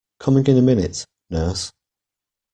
Coming in a minute, nurse!